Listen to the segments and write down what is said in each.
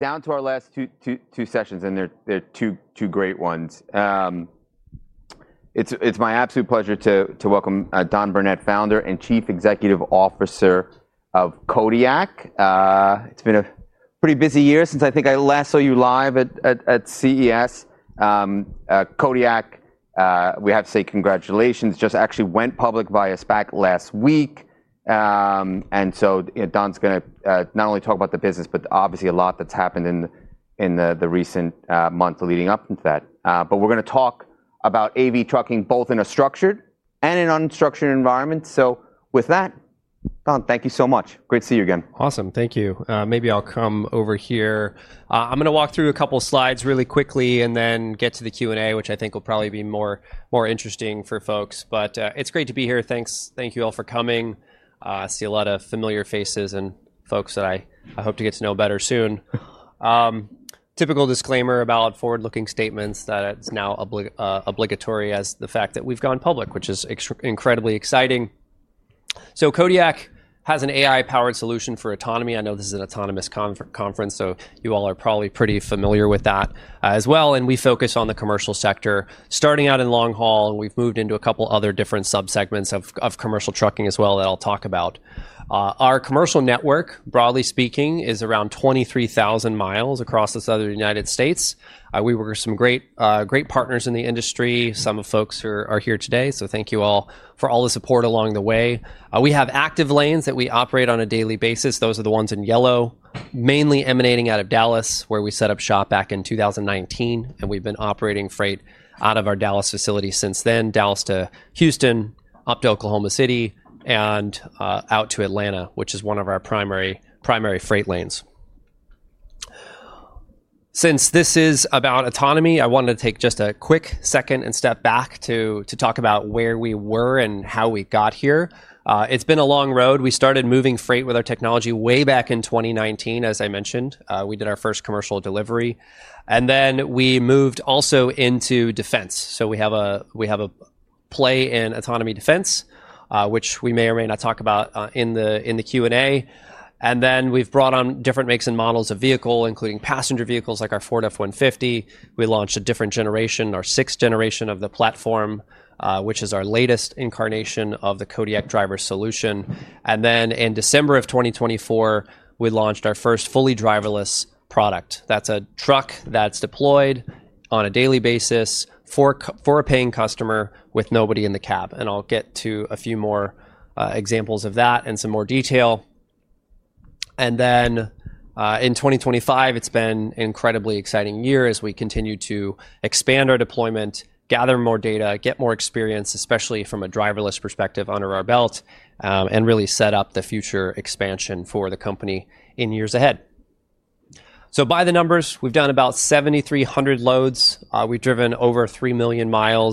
Down to our last two sessions, and they're two great ones. It's my absolute pleasure to welcome Don Burnette, Founder and Chief Executive Officer of Kodiak. It's been a pretty busy year since I think I last saw you live at CES. Kodiak Robotics, we have to say congratulations. It just actually went public via SPAC last week. Don's going to not only talk about the business, but obviously a lot that's happened in the recent month leading up to that. We're going to talk about AV trucking both in a structured and an unstructured environment. With that, Don, thank you so much. Great to see you again. Awesome. Thank you. Maybe I'll come over here. I'm going to walk through a couple of slides really quickly and then get to the Q&A, which I think will probably be more interesting for folks. It's great to be here. Thank you all for coming. I see a lot of familiar faces and folks that I hope to get to know better soon. Typical disclaimer about forward-looking statements that it's now obligatory as the fact that we've gone public, which is incredibly exciting. Kodiak Robotics has an AI-powered solution for autonomy. I know this is an autonomous conference, so you all are probably pretty familiar with that as well. We focus on the commercial sector. Starting out in long haul, we've moved into a couple of other different subsegments of commercial trucking as well that I'll talk about. Our commercial network, broadly speaking, is around 23,000 mi across the Southern United States. We were some great partners in the industry. Some of the folks who are here today. Thank you all for all the support along the way. We have active lanes that we operate on a daily basis. Those are the ones in yellow, mainly emanating out of Dallas, where we set up shop back in 2019. We've been operating freight out of our Dallas facility since then, Dallas to Houston, up to Oklahoma City, and out to Atlanta, which is one of our primary freight lanes. Since this is about autonomy, I wanted to take just a quick second and step back to talk about where we were and how we got here. It's been a long road. We started moving freight with our technology way back in 2019, as I mentioned. We did our first commercial delivery. We moved also into defense. We have a play in autonomy defense, which we may or may not talk about in the Q&A. We've brought on different makes and models of vehicles, including passenger vehicles like our Ford F-150. We launched a different generation, our sixth generation of the platform, which is our latest incarnation of the Kodiak Driver Solution. In December of 2024, we launched our first fully driverless product. That's a truck that's deployed on a daily basis for a paying customer with nobody in the cab. I'll get to a few more examples of that and some more detail. In 2025, it's been an incredibly exciting year as we continue to expand our deployment, gather more data, get more experience, especially from a driverless perspective under our belt, and really set up the future expansion for the company in years ahead. By the numbers, we've done about 7,300 loads. We've driven over 3 million mi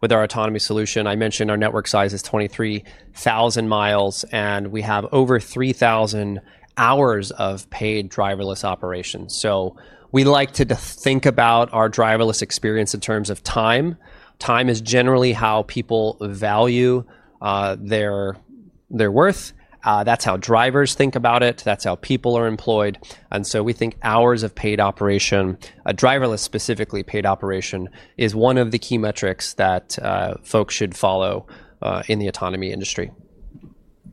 with our autonomy solution. I mentioned our network size is 23,000 mi, and we have over 3,000 hours of paid driverless operations. We like to think about our driverless experience in terms of time. Time is generally how people value their worth. That's how drivers think about it. That's how people are employed. We think hours of paid operation, a driverless specifically paid operation, is one of the key metrics that folks should follow in the autonomy industry.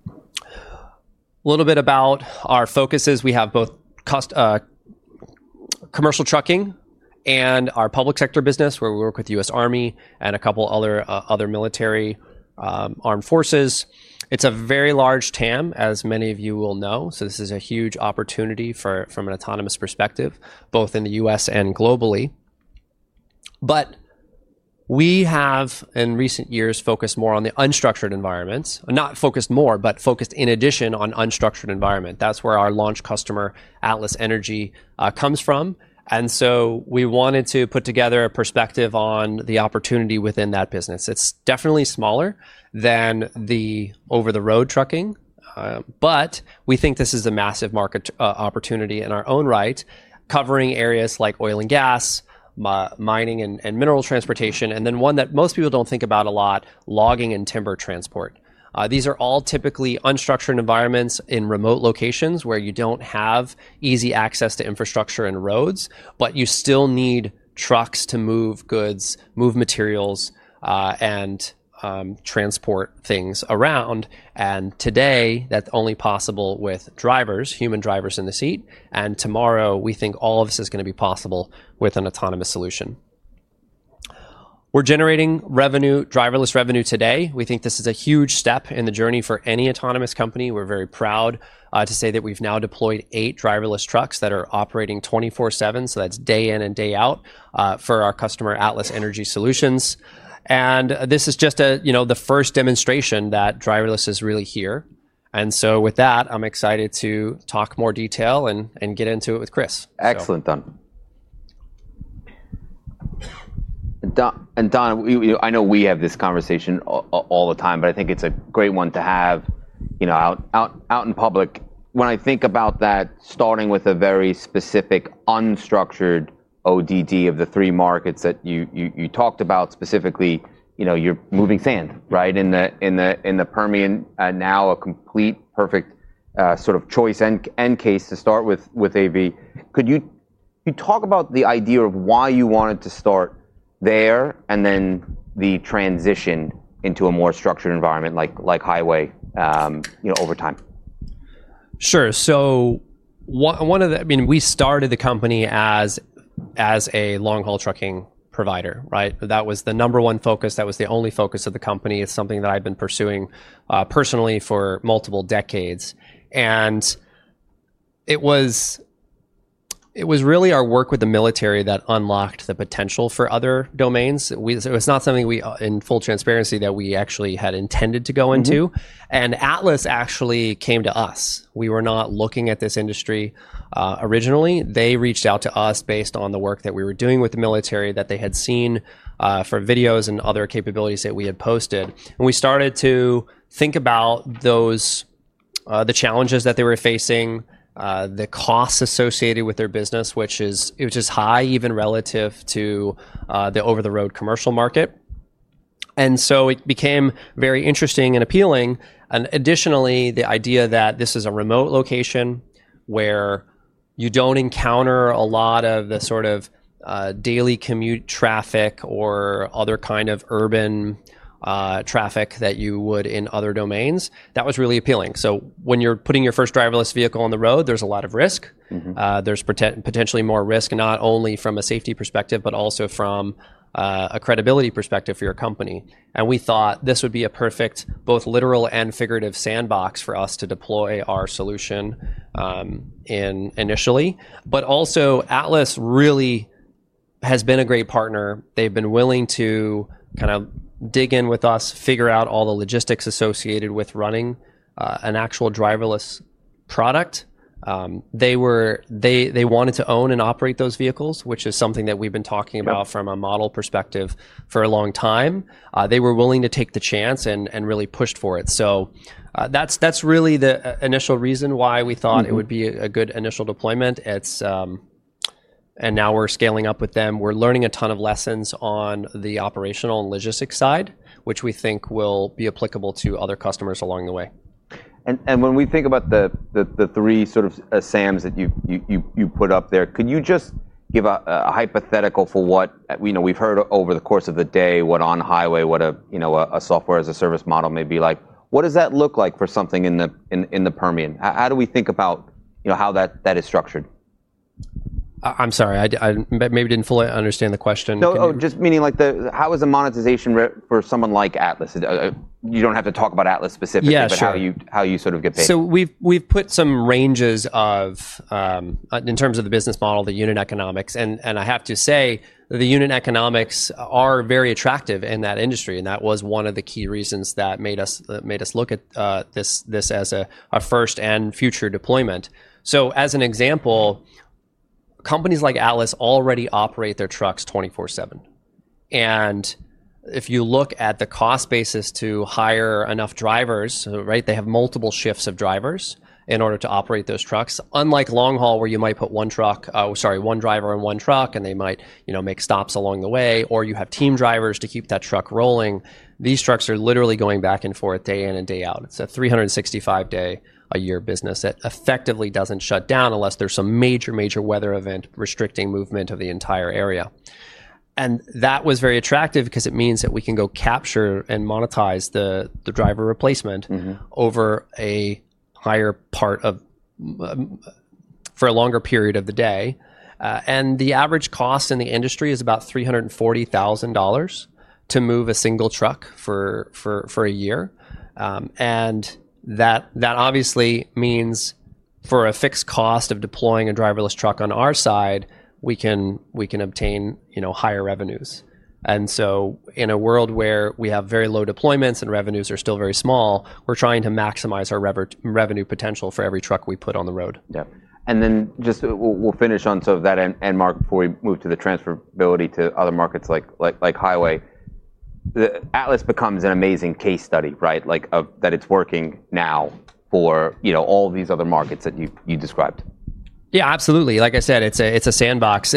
A little bit about our focuses. We have both commercial trucking and our public sector business, where we work with the U.S. Army and a couple of other military armed forces. It's a very large TAM, as many of you will know. This is a huge opportunity from an autonomous perspective, both in the U.S. and globally. In recent years, we have focused in addition on unstructured environments. That's where our launch customer, Atlas Energy, comes from. We wanted to put together a perspective on the opportunity within that business. It's definitely smaller than the over-the-road trucking, but we think this is a massive market opportunity in our own right, covering areas like oil and gas, mining and mineral transportation, and then one that most people don't think about a lot, logging and timber transport. These are all typically unstructured environments in remote locations where you don't have easy access to infrastructure and roads, but you still need trucks to move goods, move materials, and transport things around. Today, that's only possible with drivers, human drivers in the seat. Tomorrow, we think all of this is going to be possible with an autonomous solution. We're generating driverless revenue today. We think this is a huge step in the journey for any autonomous company. We're very proud to say that we've now deployed eight driverless trucks that are operating 24/7, that's day in and day out, for our customer, Atlas Energy Solutions. This is just the first demonstration that driverless is really here. With that, I'm excited to talk more detail and get into it with Chris. Excellent, Don. I know we have this conversation all the time, but I think it's a great one to have out in public. When I think about that, starting with a very specific unstructured ODD of the three markets that you talked about specifically, you're moving sand, right? In the Permian, now a complete perfect sort of choice and case to start with AV. Could you talk about the idea of why you wanted to start there and then the transition into a more structured environment like highway over time? Sure. One of the, I mean, we started the company as a long-haul trucking provider, right? That was the number one focus. That was the only focus of the company. It's something that I've been pursuing personally for multiple decades. It was really our work with the military that unlocked the potential for other domains. It was not something we, in full transparency, that we actually had intended to go into. Atlas actually came to us. We were not looking at this industry originally. They reached out to us based on the work that we were doing with the military that they had seen for videos and other capabilities that we had posted. We started to think about the challenges that they were facing, the costs associated with their business, which is high even relative to the over-the-road commercial market. It became very interesting and appealing. Additionally, the idea that this is a remote location where you don't encounter a lot of the sort of daily commute traffic or other kind of urban traffic that you would in other domains, that was really appealing. When you're putting your first driverless vehicle on the road, there's a lot of risk. There's potentially more risk, not only from a safety perspective, but also from a credibility perspective for your company. We thought this would be a perfect, both literal and figurative sandbox for us to deploy our solution initially. Also, Atlas really has been a great partner. They've been willing to kind of dig in with us, figure out all the logistics associated with running an actual driverless product. They wanted to own and operate those vehicles, which is something that we've been talking about from a model perspective for a long time. They were willing to take the chance and really pushed for it. That's really the initial reason why we thought it would be a good initial deployment. Now we're scaling up with them. We're learning a ton of lessons on the operational and logistics side, which we think will be applicable to other customers along the way. When we think about the three sort of SAMs that you put up there, could you just give a hypothetical for what we've heard over the course of the day, what on highway, what a software as a service model may be like? What does that look like for something in the Permian? How do we think about how that is structured? I'm sorry, I maybe didn't fully understand the question. Oh, just meaning like how is the monetization for someone like Atlas? You don't have to talk about Atlas specifically, but how you sort of get paid. We have put some ranges of, in terms of the business model, the unit economics. I have to say that the unit economics are very attractive in that industry. That was one of the key reasons that made us look at this as a first and future deployment. As an example, companies like Atlas Energy Solutions already operate their trucks 24/7. If you look at the cost basis to hire enough drivers, they have multiple shifts of drivers in order to operate those trucks. Unlike long haul, where you might put one driver in one truck, and they might make stops along the way, or you have team drivers to keep that truck rolling, these trucks are literally going back and forth day in and day out. It's a 365-day-a-year business that effectively doesn't shut down unless there's some major, major weather event restricting movement of the entire area. That was very attractive because it means that we can go capture and monetize the driver replacement over a higher part of, for a longer period of the day. The average cost in the industry is about $340,000 to move a single truck for a year. That obviously means for a fixed cost of deploying a driverless truck on our side, we can obtain higher revenues. In a world where we have very low deployments and revenues are still very small, we're trying to maximize our revenue potential for every truck we put on the road. Yeah, just we'll finish on sort of that end mark before we move to the transferability to other markets like highway. Atlas becomes an amazing case study, right? Like that it's working now for all of these other markets that you described. Yeah, absolutely. Like I said, it's a sandbox.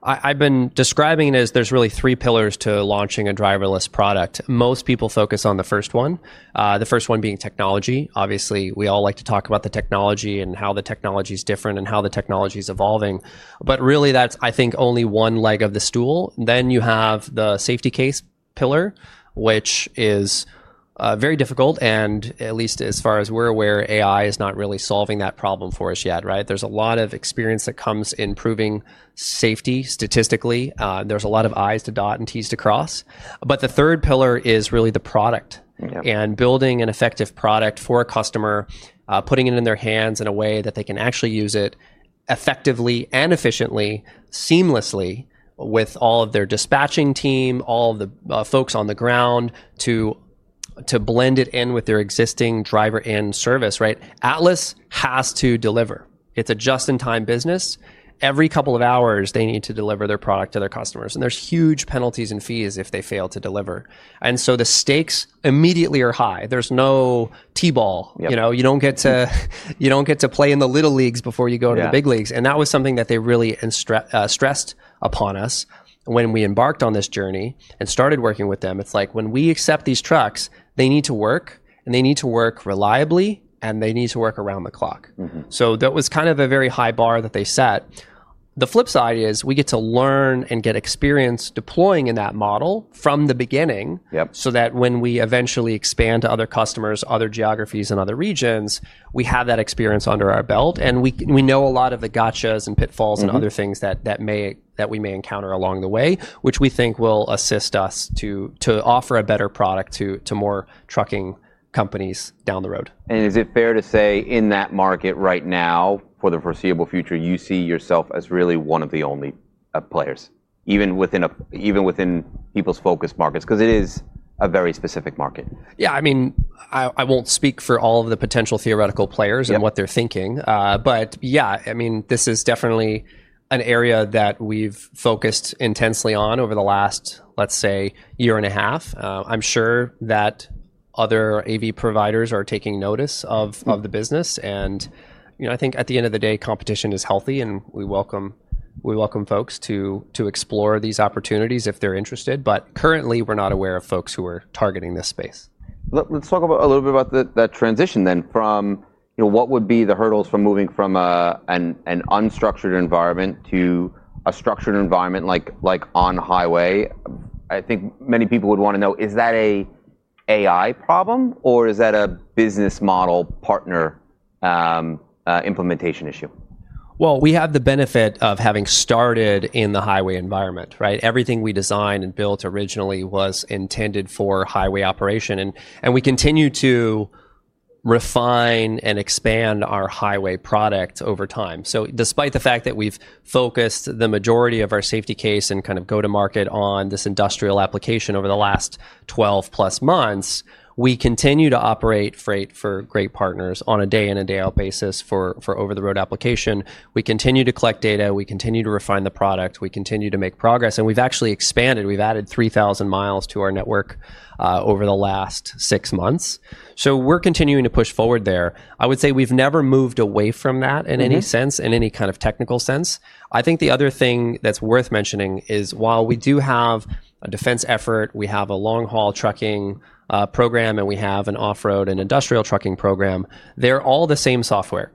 I've been describing it as there's really three pillars to launching a driverless product. Most people focus on the first one, the first one being technology. Obviously, we all like to talk about the technology and how the technology is different and how the technology is evolving. Really, that's, I think, only one leg of the stool. Then you have the safety case pillar, which is very difficult. At least as far as we're aware, AI is not really solving that problem for us yet, right? There's a lot of experience that comes in proving safety statistically. There's a lot of I's to dot and T's to cross. The third pillar is really the product and building an effective product for a customer, putting it in their hands in a way that they can actually use it effectively and efficiently, seamlessly with all of their dispatching team, all of the folks on the ground to blend it in with their existing driver-in-service, right? Atlas has to deliver. It's a just-in-time business. Every couple of hours, they need to deliver their product to their customers. There's huge penalties and fees if they fail to deliver. The stakes immediately are high. There's no T-ball. You don't get to play in the little leagues before you go to the big leagues. That was something that they really stressed upon us when we embarked on this journey and started working with them. It's like when we accept these trucks, they need to work, and they need to work reliably, and they need to work around the clock. That was kind of a very high bar that they set. The flip side is we get to learn and get experience deploying in that model from the beginning so that when we eventually expand to other customers, other geographies, and other regions, we have that experience under our belt. We know a lot of the gotchas and pitfalls and other things that we may encounter along the way, which we think will assist us to offer a better product to more trucking companies down the road. Is it fair to say in that market right now, for the foreseeable future, you see yourself as really one of the only players, even within people's focus markets, because it is a very specific market? I mean, I won't speak for all of the potential theoretical players and what they're thinking. This is definitely an area that we've focused intensely on over the last, let's say, year and a half. I'm sure that other AV providers are taking notice of the business. I think at the end of the day, competition is healthy. We welcome folks to explore these opportunities if they're interested. Currently, we're not aware of folks who are targeting this space. Let's talk a little bit about that transition from what would be the hurdles from moving from an unstructured environment to a structured environment like on-highway. I think many people would want to know, is that an AI problem, or is that a business model partner implementation issue? We have the benefit of having started in the highway environment, right? Everything we designed and built originally was intended for highway operation. We continue to refine and expand our highway product over time. Despite the fact that we've focused the majority of our safety case and kind of go-to-market on this industrial application over the last 12-plus months, we continue to operate freight for great partners on a day-in and day-out basis for over-the-road application. We continue to collect data. We continue to refine the product. We continue to make progress. We've actually expanded. We've added 3,000 mi to our network over the last six months. We're continuing to push forward there. I would say we've never moved away from that in any sense, in any kind of technical sense. I think the other thing that's worth mentioning is while we do have a defense effort, we have a long-haul trucking program, and we have an off-road and industrial trucking program, they're all the same software.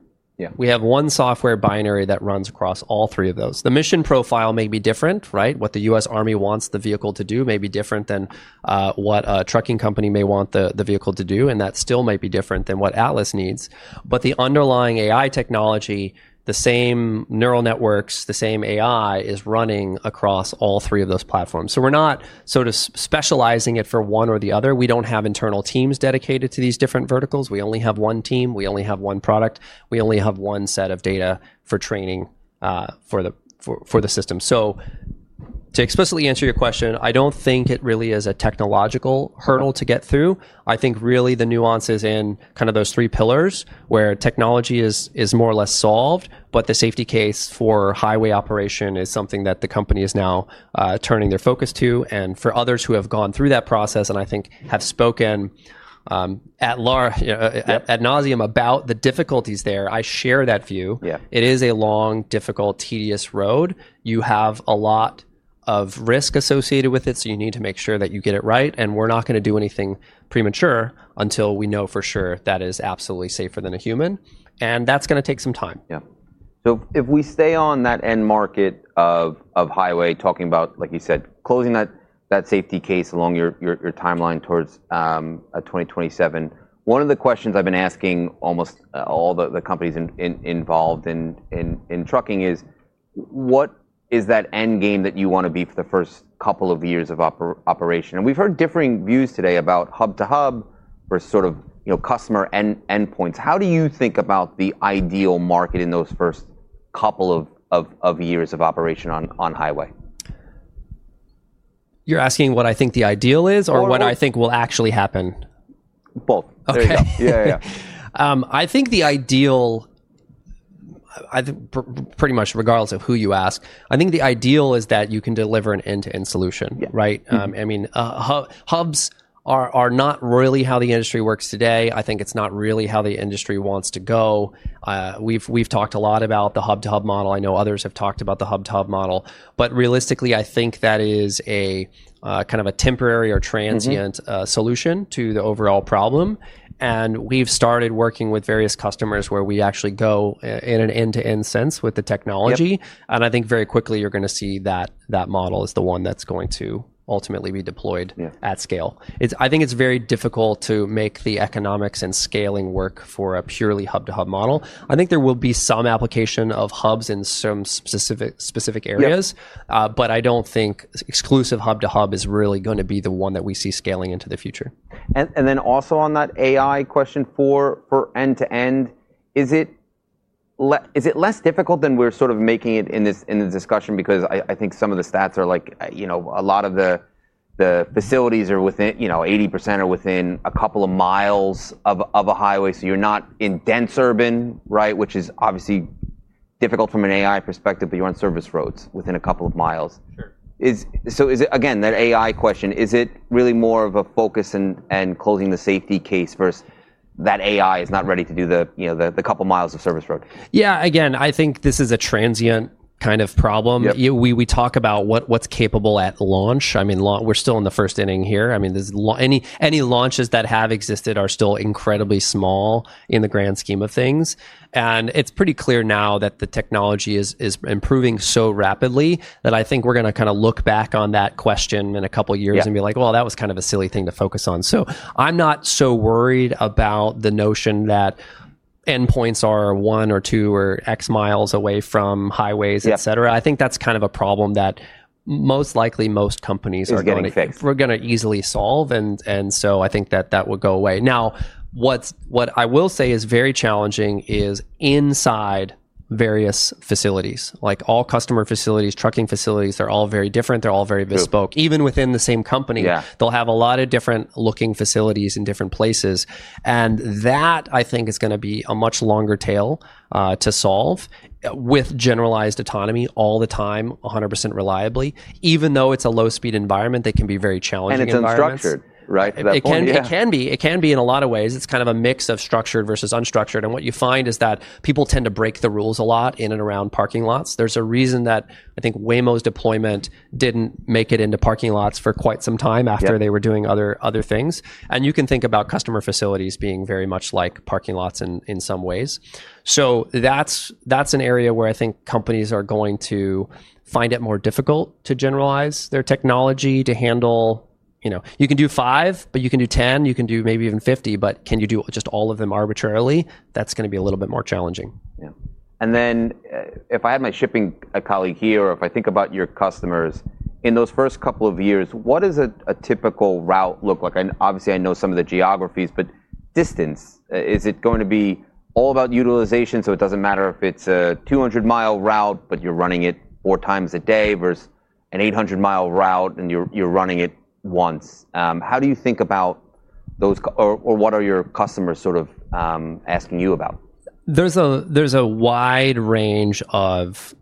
We have one software binary that runs across all three of those. The mission profile may be different, right? What the U.S. Army wants the vehicle to do may be different than what a trucking company may want the vehicle to do. That still might be different than what Atlas needs. The underlying AI technology, the same neural networks, the same AI is running across all three of those platforms. We're not sort of specializing it for one or the other. We don't have internal teams dedicated to these different verticals. We only have one team. We only have one product. We only have one set of data for training for the system. To explicitly answer your question, I don't think it really is a technological hurdle to get through. I think really the nuances in kind of those three pillars where technology is more or less solved, but the safety case for highway operation is something that the company is now turning their focus to. For others who have gone through that process and I think have spoken ad nauseam about the difficulties there, I share that view. It is a long, difficult, tedious road. You have a lot of risk associated with it. You need to make sure that you get it right. We're not going to do anything premature until we know for sure that is absolutely safer than a human. That's going to take some time. Yeah. If we stay on that end market of highway, talking about, like you said, closing that safety case along your timeline towards 2027, one of the questions I've been asking almost all the companies involved in trucking is, what is that end game that you want to be for the first couple of years of operation? We've heard differing views today about hub to hub versus sort of customer endpoints. How do you think about the ideal market in those first couple of years of operation on highway? You're asking what I think the ideal is or what I think will actually happen? Both. Yeah, I think the ideal, pretty much regardless of who you ask, I think the ideal is that you can deliver an end-to-end solution, right? Hubs are not really how the industry works today. I think it's not really how the industry wants to go. We've talked a lot about the hub to hub model. I know others have talked about the hub to hub model. Realistically, I think that is a kind of a temporary or transient solution to the overall problem. We've started working with various customers where we actually go in an end-to-end sense with the technology. I think very quickly you're going to see that that model is the one that's going to ultimately be deployed at scale. I think it's very difficult to make the economics and scaling work for a purely hub to hub model. There will be some application of hubs in some specific areas, but I don't think exclusive hub to hub is really going to be the one that we see scaling into the future. On that AI question for end to end, is it less difficult than we're sort of making it in this discussion? I think some of the stats are like, you know, a lot of the facilities are within, you know, 80% are within a couple of miles of a highway. You're not in dense urban, right? Which is obviously difficult from an AI perspective, but you're on service roads within a couple of miles. Sure. Is it, again, that AI question, is it really more of a focus on closing the safety case versus that AI is not ready to do the couple of miles of service road? Yeah, again, I think this is a transient kind of problem. We talk about what's capable at launch. I mean, we're still in the first inning here. Any launches that have existed are still incredibly small in the grand scheme of things. It's pretty clear now that the technology is improving so rapidly that I think we're going to kind of look back on that question in a couple of years and be like, that was kind of a silly thing to focus on. I'm not so worried about the notion that endpoints are one or two or X miles away from highways, etc. I think that's kind of a problem that most likely most companies are going to easily solve. I think that that will go away. What I will say is very challenging is inside various facilities, like all customer facilities, trucking facilities, they're all very different. They're all very bespoke. Even within the same company, they'll have a lot of different looking facilities in different places. That, I think, is going to be a much longer tail to solve with generalized autonomy all the time, 100% reliably. Even though it's a low-speed environment, they can be very challenging. It is unstructured, right? It can be. It can be in a lot of ways. It's kind of a mix of structured versus unstructured. What you find is that people tend to break the rules a lot in and around parking lots. There's a reason that I think Waymo's deployment didn't make it into parking lots for quite some time after they were doing other things. You can think about customer facilities being very much like parking lots in some ways. That's an area where I think companies are going to find it more difficult to generalize their technology to handle. You know, you can do five, but you can do 10. You can do maybe even 50. Can you do just all of them arbitrarily? That's going to be a little bit more challenging. If I had my shipping colleague here, or if I think about your customers in those first couple of years, what does a typical route look like? Obviously, I know some of the geographies, but distance, is it going to be all about utilization? It doesn't matter if it's a 200-mile route, but you're running it four times a day versus an 800-mile route and you're running it once. How do you think about those, or what are your customers sort of asking you about? There's a wide range of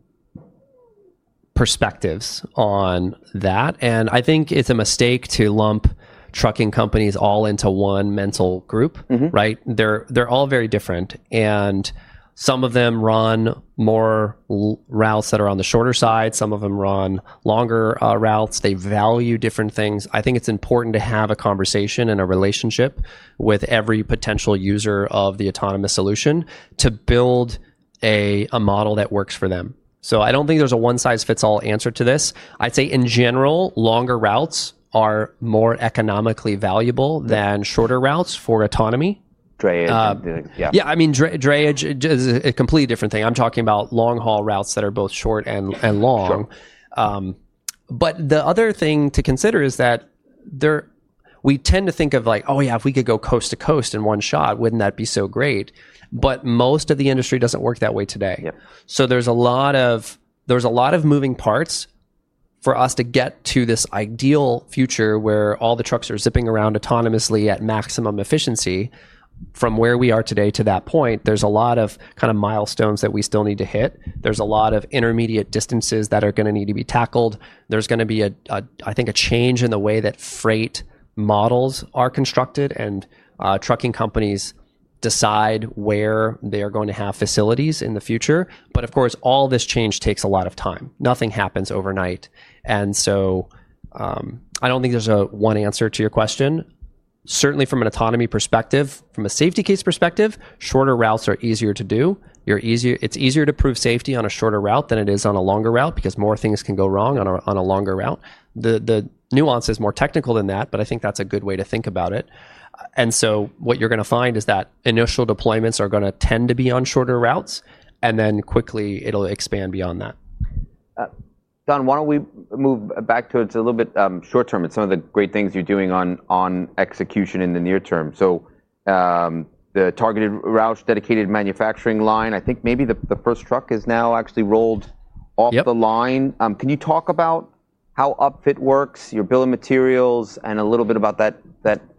perspectives on that. I think it's a mistake to lump trucking companies all into one mental group, right? They're all very different. Some of them run more routes that are on the shorter side, some of them run longer routes. They value different things. I think it's important to have a conversation and a relationship with every potential user of the autonomous solution to build a model that works for them. I don't think there's a one-size-fits-all answer to this. I'd say in general, longer routes are more economically valuable than shorter routes for autonomy. Drayage. Yeah, I mean, drayage is a completely different thing. I'm talking about long-haul routes that are both short and long. The other thing to consider is that we tend to think of like, oh, yeah, if we could go coast to coast in one shot, wouldn't that be so great? Most of the industry doesn't work that way today. There's a lot of moving parts for us to get to this ideal future where all the trucks are zipping around autonomously at maximum efficiency. From where we are today to that point, there's a lot of kind of milestones that we still need to hit. There's a lot of intermediate distances that are going to need to be tackled. There's going to be, I think, a change in the way that freight models are constructed and trucking companies decide where they are going to have facilities in the future. Of course, all this change takes a lot of time. Nothing happens overnight. I don't think there's a one answer to your question. Certainly, from an autonomy perspective, from a safety case perspective, shorter routes are easier to do. It's easier to prove safety on a shorter route than it is on a longer route because more things can go wrong on a longer route. The nuance is more technical than that, but I think that's a good way to think about it. What you're going to find is that initial deployments are going to tend to be on shorter routes, and then quickly it'll expand beyond that. Don, why don't we move back to it? It's a little bit short-term. It's some of the great things you're doing on execution in the near term. The targeted route dedicated manufacturing line, I think maybe the first truck has now actually rolled off the line. Can you talk about how Upfit works, your bill of materials, and a little bit about that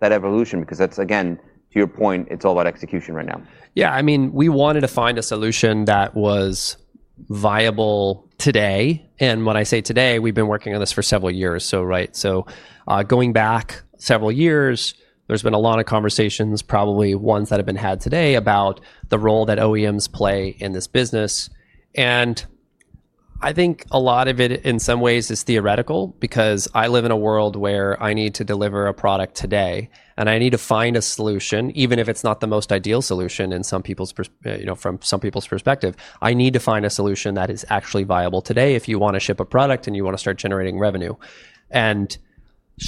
evolution? Because that's, again, to your point, it's all about execution right now. Yeah, I mean, we wanted to find a solution that was viable today. When I say today, we've been working on this for several years, right. Going back several years, there's been a lot of conversations, probably ones that have been had today about the role that OEMs play in this business. I think a lot of it in some ways is theoretical because I live in a world where I need to deliver a product today. I need to find a solution, even if it's not the most ideal solution from some people's perspective. I need to find a solution that is actually viable today if you want to ship a product and you want to start generating revenue.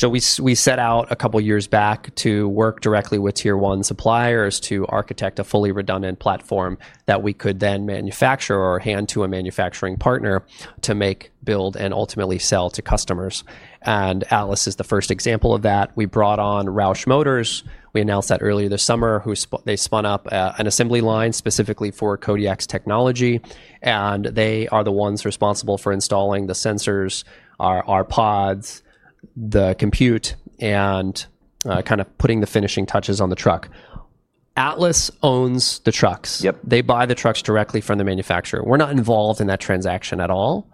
We set out a couple of years back to work directly with tier one suppliers to architect a fully redundant platform that we could then manufacture or hand to a manufacturing partner to make, build, and ultimately sell to customers. Atlas is the first example of that. We brought on Roush Industries. We announced that earlier this summer. They spun up an assembly line specifically for Kodiak Robotics' technology. They are the ones responsible for installing the sensors, our SensorPods, the compute, and kind of putting the finishing touches on the truck. Atlas owns the trucks. They buy the trucks directly from the manufacturer. We're not involved in that transaction at all.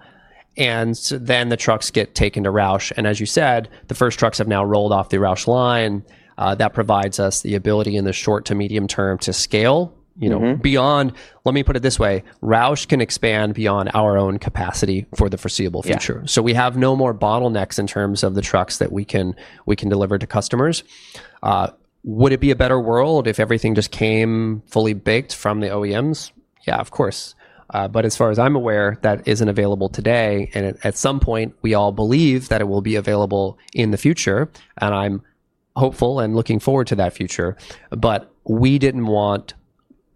The trucks get taken to Roush. As you said, the first trucks have now rolled off the Roush line. That provides us the ability in the short to medium term to scale beyond, let me put it this way, Roush can expand beyond our own capacity for the foreseeable future. We have no more bottlenecks in terms of the trucks that we can deliver to customers. Would it be a better world if everything just came fully baked from the OEMs? Yeah, of course. As far as I'm aware, that isn't available today. At some point, we all believe that it will be available in the future. I'm hopeful and looking forward to that future. We didn't want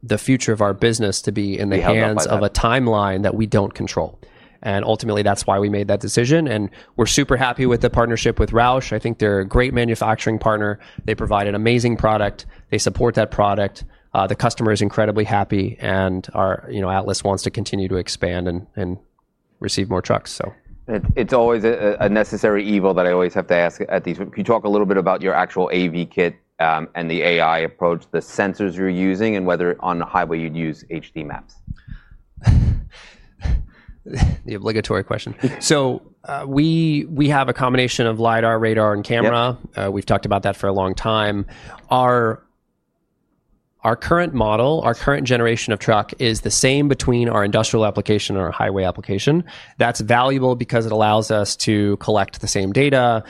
the future of our business to be in the hands of a timeline that we don't control. Ultimately, that's why we made that decision. We're super happy with the partnership with Roush. I think they're a great manufacturing partner. They provide an amazing product. They support that product. The customer is incredibly happy. Atlas wants to continue to expand and receive more trucks. It's always a necessary evil that I always have to ask at these. Could you talk a little bit about your actual AV kit and the AI approach, the sensors you're using, and whether on the highway you'd use HD maps? The obligatory question. We have a combination of LiDAR, radar, and camera. We've talked about that for a long time. Our current model, our current generation of truck is the same between our industrial application and our highway application. That's valuable because it allows us to collect the same data,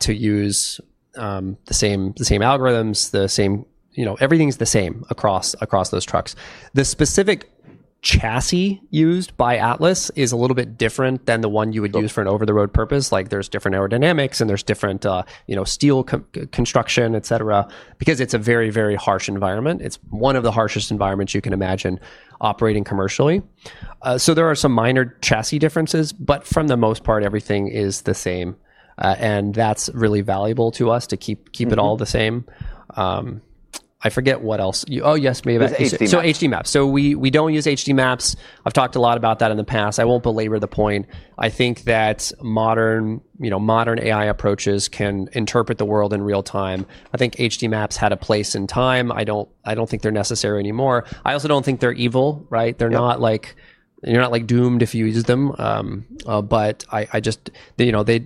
to use the same algorithms. Everything's the same across those trucks. The specific chassis used by Atlas is a little bit different than the one you would use for an over-the-road purpose. There are different aerodynamics, and there's different steel construction, et cetera, because it's a very, very harsh environment. It's one of the harshest environments you can imagine operating commercially. There are some minor chassis differences, but for the most part, everything is the same. That's really valuable to us to keep it all the same. I forget what else. Oh, yes, maybe that's HD maps. We don't use HD maps. I've talked a lot about that in the past. I won't belabor the point. I think that modern AI approaches can interpret the world in real time. I think HD maps had a place in time. I don't think they're necessary anymore. I also don't think they're evil, right? They're not doomed if you use them.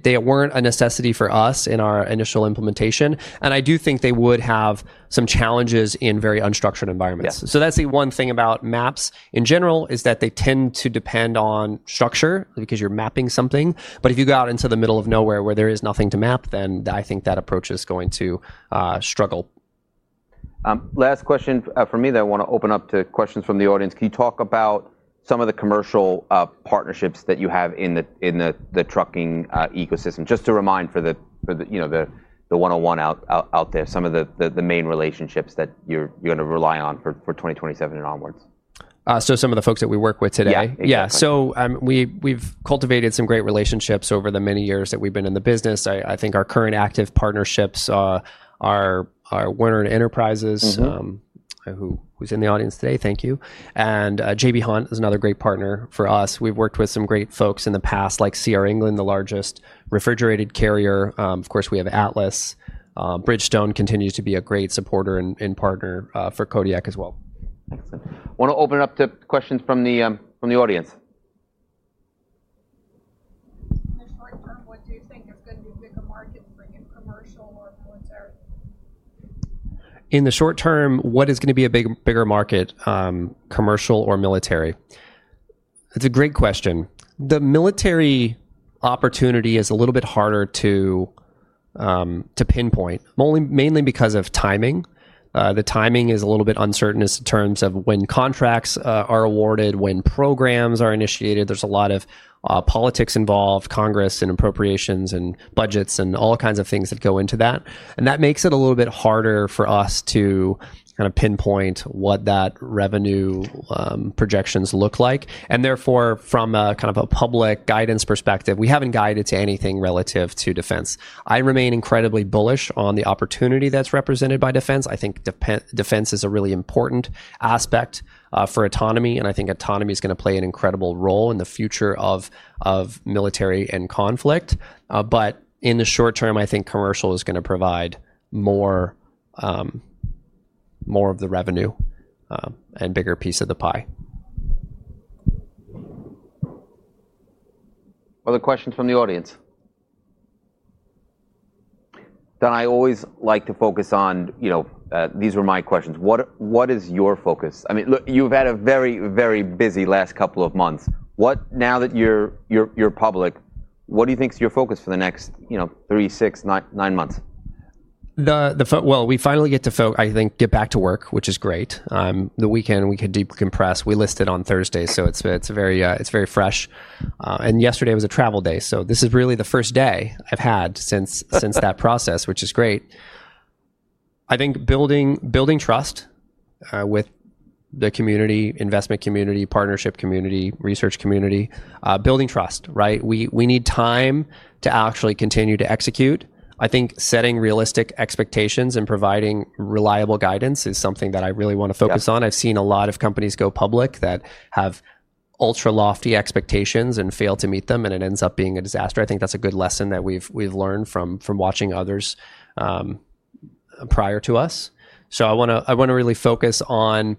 They weren't a necessity for us in our initial implementation. I do think they would have some challenges in very unstructured environments. That's the one thing about maps in general, they tend to depend on structure because you're mapping something. If you go out into the middle of nowhere where there is nothing to map, then I think that approach is going to struggle. Last question for me that I want to open up to questions from the audience. Can you talk about some of the commercial partnerships that you have in the trucking ecosystem? Just to remind for the 101 out there, some of the main relationships that you're going to rely on for 2027 and onwards. Some of the folks that we work with today? Yeah. Yeah. We've cultivated some great relationships over the many years that we've been in the business. I think our current active partnerships are Werner Enterprises, who's in the audience today. Thank you. J.B. Hunt is another great partner for us. We've worked with some great folks in the past, like C.R. England, the largest refrigerated carrier. Of course, we have Atlas. Bridgestone continues to be a great supporter and partner for Kodiak as well. Excellent. Want to open up to questions from the audience? In the short term, what do you think is going to be a bigger market, be it commercial or military? In the short term, what is going to be a bigger market, commercial or military? That's a great question. The military opportunity is a little bit harder to pinpoint, mainly because of timing. The timing is a little bit uncertain in terms of when contracts are awarded, when programs are initiated. There is a lot of politics involved, Congress and appropriations and budgets and all kinds of things that go into that. That makes it a little bit harder for us to kind of pinpoint what that revenue projections look like. Therefore, from a kind of a public guidance perspective, we haven't guided to anything relative to defense. I remain incredibly bullish on the opportunity that's represented by defense. I think defense is a really important aspect for autonomy. I think autonomy is going to play an incredible role in the future of military and conflict. In the short term, I think commercial is going to provide more of the revenue and a bigger piece of the pie. Other questions from the audience? Don, I always like to focus on, you know, these were my questions. What is your focus? I mean, look, you've had a very, very busy last couple of months. Now that you're public, what do you think is your focus for the next three, six, nine months? I think we finally get to get back to work, which is great. The weekend we could decompress. We listed on Thursday, so it's very fresh. Yesterday was a travel day. This is really the first day I've had since that process, which is great. I think building trust with the community, investment community, partnership community, research community, building trust, right? We need time to actually continue to execute. I think setting realistic expectations and providing reliable guidance is something that I really want to focus on. I've seen a lot of companies go public that have ultra lofty expectations and fail to meet them, and it ends up being a disaster. I think that's a good lesson that we've learned from watching others prior to us. I want to really focus on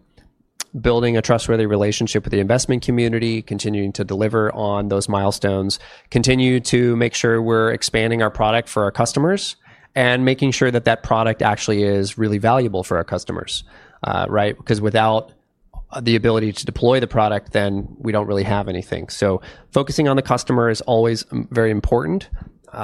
building a trustworthy relationship with the investment community, continuing to deliver on those milestones, continue to make sure we're expanding our product for our customers, and making sure that that product actually is really valuable for our customers, right? Because without the ability to deploy the product, then we don't really have anything. Focusing on the customer is always very important.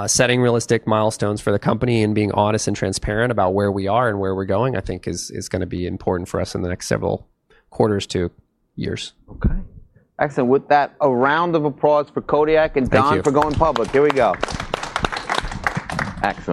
Setting realistic milestones for the company and being honest and transparent about where we are and where we're going, I think is going to be important for us in the next several quarters to years. OK. Excellent. With that, a round of applause for Kodiak and Don Burnette for going public. Here we go. Excellent.